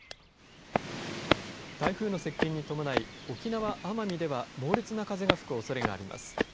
台風の接近に伴い沖縄・奄美では猛烈な風が吹くおそれがあります。